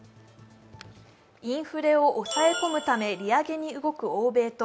インフレを抑え込むため利上げに動く欧米と